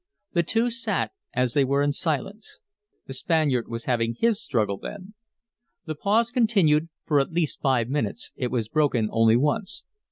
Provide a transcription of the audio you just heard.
The two sat as they were in silence. The Spaniard was having his struggle then. The pause continued for at least five minutes; it was broken only once.